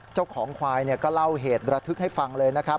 เจ้าของควายก็เล่าเหตุระทึกให้ฟังเลยนะครับ